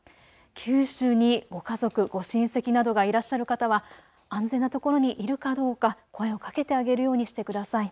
九州にご家族、ご親戚などがいらっしゃる方は安全なところにいるかどうか声をかけてあげるようにしてください。